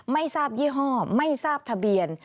ไม่ทราบยี่ห้อไม่ทราบทะเบียน